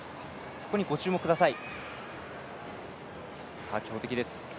そこにご注目ください。